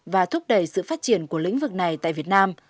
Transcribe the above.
và thúc đẩy sự phát triển của lĩnh vực này tại việt nam